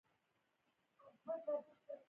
هغې وویل: یعني جګړه دي دومره بده ایسي.